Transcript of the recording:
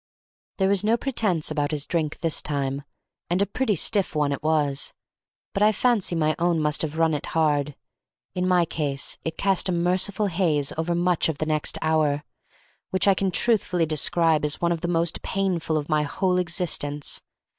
There was no pretence about his drink this time, and a pretty stiff one it was, but I fancy my own must have run it hard. In my case it cast a merciful haze over much of the next hour, which I can truthfully describe as one of the most painful of my whole existence.